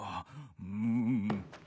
うん。